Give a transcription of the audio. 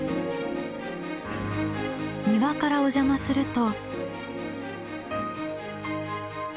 庭からおじゃますると。